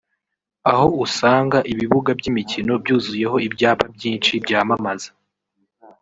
aho usanga ibibuga by’imikino byuzuyeho ibyapa byinshi byamamaza